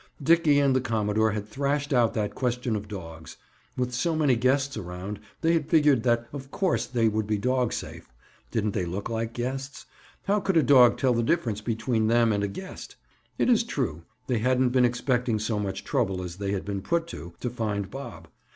Dickie and the commodore had thrashed out that question of dogs. With so many guests around, they had figured that, of course, they would be dog safe. Didn't they look like guests? How could a dog tell the difference between them and a guest? It is true, they hadn't been expecting so much trouble as they had been put to, to find Bob.